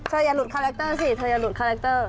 อย่าหลุดคาแรคเตอร์สิเธออย่าหลุดคาแรคเตอร์